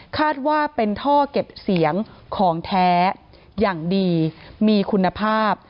คาดว่าเป็นท่อเก็บเสียงของแท้อย่างดีมีคุณภาพ